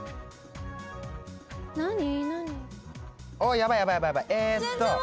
ヤバいヤバいえっと。